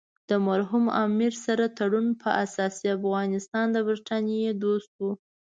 د مرحوم امیر سره تړون په اساس افغانستان د برټانیې دوست وو.